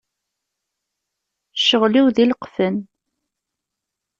Ccɣel-iw d ileqfen.